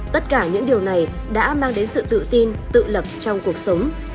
tất cả những điều này đã mang đến sự tự tin tự lập trong cuộc sống